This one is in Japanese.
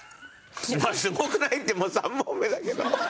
「すごくない？」ってもう３本目だけど。